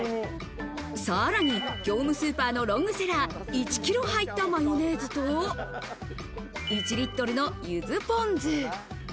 さらに業務スーパーのロングセラー、１キロ入ったマヨネーズと、１リットルのゆずポン酢。